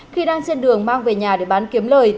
khi đang trên đường mang về nhà để bán kiếm lời